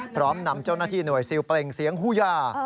พร้อมนำเจ้าหน้าที่หน่วยซิลเปล่งเสียงฮูยา